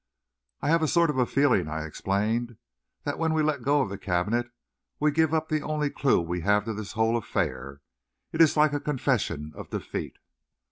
"I have a sort of feeling," I explained, "that when we let go of the cabinet, we give up the only clue we have to this whole affair. It is like a confession of defeat."